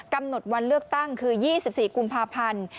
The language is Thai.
กำหนดวันเลือกตั้งคือ๒๔กุมภาพันธ์